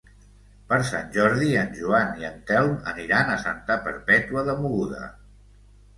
Per Sant Jordi en Joan i en Telm aniran a Santa Perpètua de Mogoda.